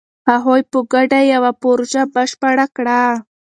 هغوی په ګډه یوه پروژه بشپړه کړه.